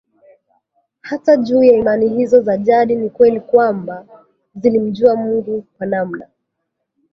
Hata juu ya imani hizo za jadi ni kweli kwamba zilimjua Mungu kwa namna